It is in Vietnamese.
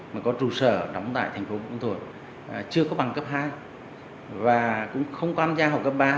mà có trụ sở đóng tại tp hcm chưa có bằng cấp hai và cũng không quan gia học cấp ba